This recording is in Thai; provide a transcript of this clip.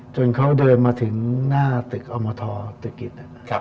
จนเขาเดินมาถึงหน้าตึกอมทตึกกิจนะครับ